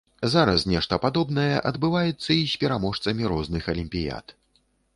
Зараз нешта падобнае адбываецца і з пераможцамі розных алімпіяд.